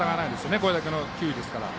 これだけの球威ですから。